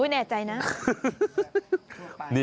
แน่ใจนะ